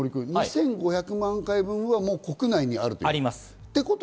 ２５００万回分は国内にあると。